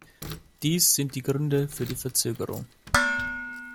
Dies sind die Gründe für die Verzögerung.